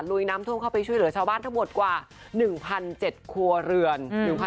ลุยน้ำท่วมเข้าไปช่วยเหลือชาวบ้านทั้งหมดกว่า๑๗ครัวเรือน